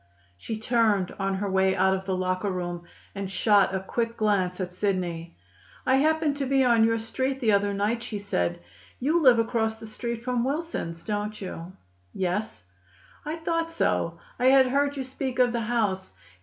She turned, on her way out of the locker room, and shot a quick glance at Sidney. "I happened to be on your street the other night," she said. "You live across the street from Wilsons', don't you?" "Yes." "I thought so; I had heard you speak of the house.